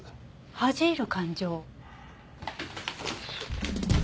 恥じ入る感情？